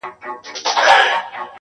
چي مُلا دي راته لولي زه سلګی درته وهمه!!